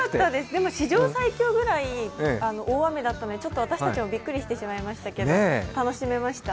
でも史上最強ぐらい大雨だったのでちょっと私たちもびっくりしてしまいましたけど、楽しめました。